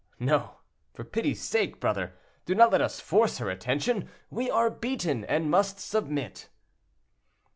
"No, for pity's sake, brother, do not let us force her attention; we are beaten, and must submit."